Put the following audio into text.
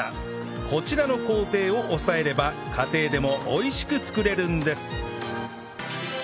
こちらの工程を押さえれば家庭でも美味しく作れるんです